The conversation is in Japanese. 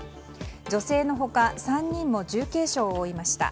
女性の他３人も重軽傷を負いました。